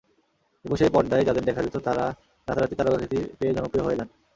একুশের পর্দায় যাঁদের দেখা যেত, তাঁরা রাতারাতি তারকাখ্যাতি পেয়ে জনপ্রিয় হয়ে যান।